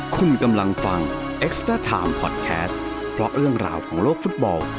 คุณกำลังฟังเอ็กซ์เตอร์ไทม์พอดแคสต์เพราะเรื่องราวของโลกฟุตบอล